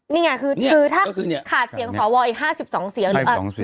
นี่ไงคือถ้าขาดเสียงสวอีก๕๒เสียงหรือ